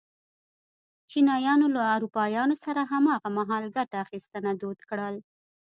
چینایانو له اروپایانو سره هماغه مهال ګته اخیستنه دود کړل.